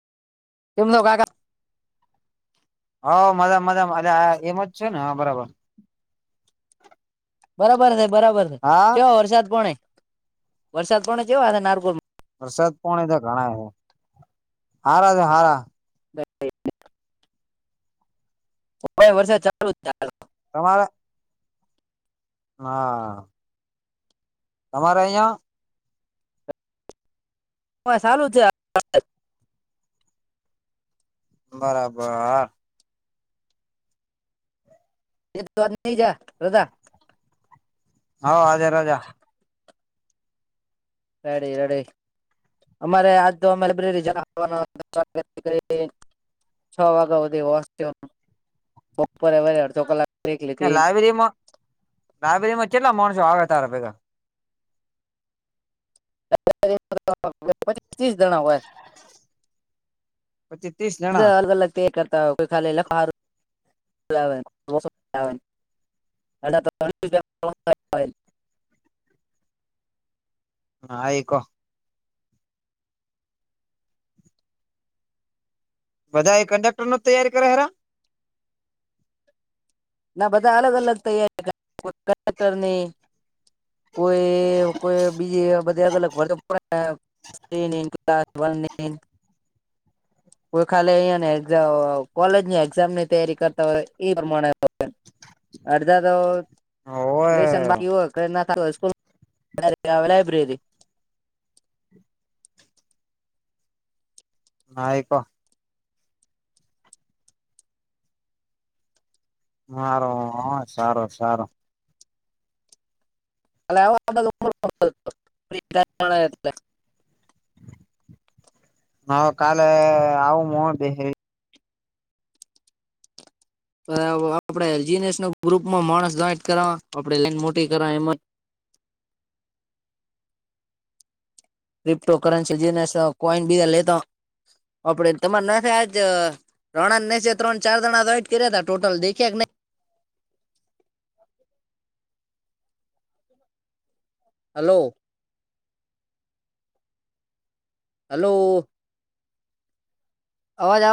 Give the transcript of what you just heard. તેમમનોકા [unintelligible] હ મજા મજા આ એમ જ છે ને બરાબર બરાબર છે બરાબર છે હા કેવા વરસાદ પાણી વરસાદ પાણી નારકોલમાં વરસાદ પોણી તો ઘણા છે હારા હારા. બ [unintelligible] વર્ષે ચાલુ જ ચાલ [unintelligible] તમારા? હા. તમારે અહીંયા? અમારે સારુ જ છે. બરાબર આ એક દ્રવાર નહિ જા રદા હા આજે રજા. રેડી રેડી અમારે આજ તો અમે લઇબ્રેરી જવા [inaudible] છ વાગ્યા વરસ્યો બપોરે અડધો કલાક બ્રેક લીધી લાયબ્રેરી માં લાયબ્રેરી માં કેટલા માણસો આવે તારા ભેગા? પચીસ ત્રીસ જણા હોય. પચીસ તીસ અલગ અલગ તે કરતા કો ખ [inaudible] એ [inaudible] હા એક બધાય કંડક્ટર નો તૈયારી કરે હે? ના બધા અલગ અલગ તૈયાર કરે કોય કંડક્ટર ની કોઈ કોઈ બીજી બધી અલગ અલગ પણ ત નન કતાબલ નન [inaudible] કોઈ ખાલી અયા ને એ કોલેજ ની એક્ઝામ ની તૈયારી કરતા હોય એ પ્રમાણે અડધા તો ઓવે લેસન બાકી હોય. નેથ લાઈબ્રેરી [inaudible] હા, એકો હારોહ સારો, સારો‌. [unintelligible] હ કાલે આવું [unintelligible] આપણેે જીનેસનું ગ્રુપમાં માણસ ને જોઈન્ટ કરાવા આપે લીન મોટી કરાવી એમાં ક્રિપ્ટો કરન્સી જે કોઈન બીજા લેતા આપડે તમારું નાટે આજ રોણા [unintelligible] ત્રણ ચાર જણા જોઈન્ટ કર્યા હતા ટોટલ દેખ્યા નહીં. હાલો. હાલો. અવાજ આવે.